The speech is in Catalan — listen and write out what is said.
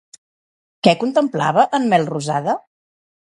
Què contemplava en Melrosada?